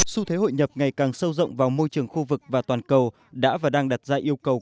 xu thế hội nhập ngày càng sâu rộng vào môi trường khu vực và toàn cầu đã và đang đặt ra yêu cầu